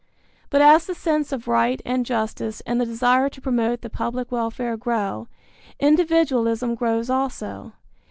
But as the sense of right and justice and the desire to promote the public welfare grow, individualism grows also.